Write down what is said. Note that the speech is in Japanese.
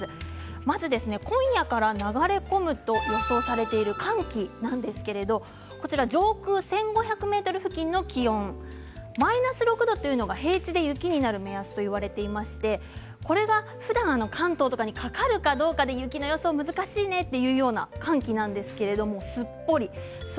まず今夜から流れ込むと予想されている寒気なんですけれど上空１５００ｍ付近の気温マイナス６度というのが平地で雪になる目安といわれていてこれが、ふだん関東とかにかかるかどうかで雪の予想難しいねという寒気なんですけれどすっぽりです。